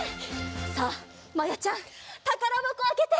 さあまやちゃんたからばこあけて。